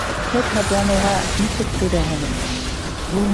Һеҙ һыҙланыуға мисек түҙәһегеҙ